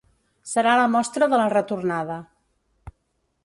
Serà la mostra de la retornada.